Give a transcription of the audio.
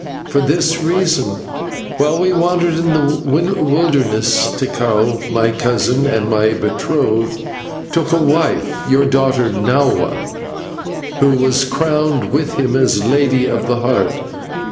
"For this reason: While we wandered in the wilderness, Tikal, my cousin and my betrothed, took a wife, your daughter Nahua, who was crowned with him as Lady of the Heart.